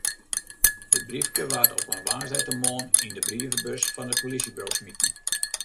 It briefke waard op in woansdeitemoarn yn de brievebus fan it polysjeburo smiten.